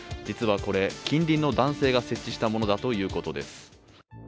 実はこれ、近隣の男性が設置したものだということです。